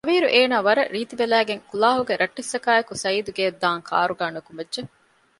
ހަވީރު އޭނާ ވަރަށް ރީތިވެލައިގެން ކުލާހުގެ ރައްޓެއްސަކާއެކު ސަޢީދު ގެއަށް ދާން ކާރުގައި ނުކުމެއްޖެ